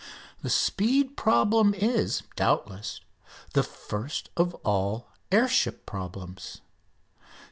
The speed problem is, doubtless, the first of all air ship problems.